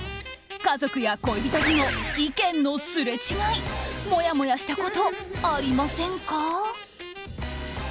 家族や恋人との意見のすれ違いもやもやしたことありませんか？